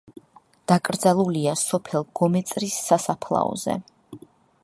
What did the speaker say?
დაკრძალულია სოფელ გომეწრის სასაფლაოზე.